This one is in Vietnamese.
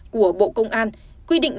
của bộ công an quy định